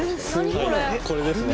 これですね。